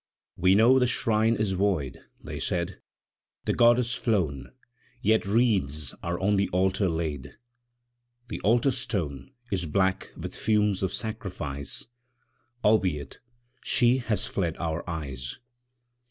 "We know the Shrine is void," they said, "The Goddess flown Yet wreaths are on the Altar laid The Altar Stone Is black with fumes of sacrifice, Albeit She has fled our eyes.